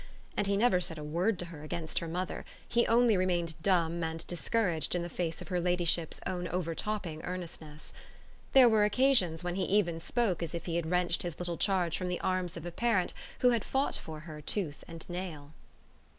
And he never said a word to her against her mother he only remained dumb and discouraged in the face of her ladyship's own overtopping earnestness. There were occasions when he even spoke as if he had wrenched his little charge from the arms of a parent who had fought for her tooth and nail.